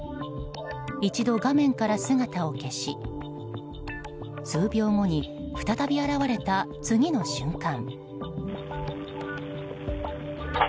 一度画面から姿を消し数秒後に再び現れた次の瞬間。